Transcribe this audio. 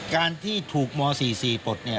การที่ถูกม๔๔ปลด